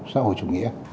xã hội chủ nghĩa